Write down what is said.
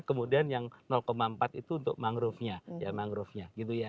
kemudian yang empat itu untuk mangrovenya